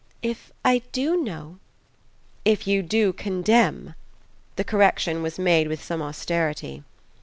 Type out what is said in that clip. "If I do know ?" "If you do condemn." The correction was made with some austerity.